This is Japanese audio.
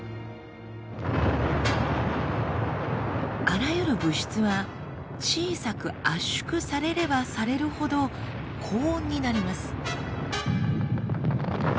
あらゆる物質は小さく圧縮されればされるほど高温になります。